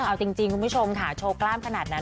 เอาจริงคุณผู้ชมค่ะโชว์กล้ามขนาดนั้น